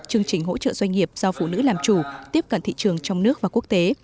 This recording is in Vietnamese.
chương trình hỗ trợ doanh nghiệp do phụ nữ làm chủ tiếp cận thị trường trong nước và quốc tế